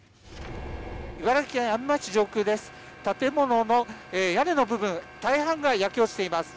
茨城県阿見町上空です。